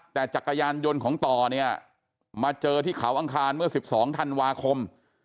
แต่จักรยานยนต์ของต่อเนี่ยมาเจอที่เขาอังคารเมื่อ๑๒ธันวาคม